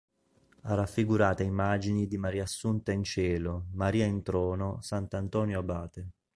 Ha raffigurate immagini di Maria Assunta in cielo, Maria in trono, S Antonio Abate.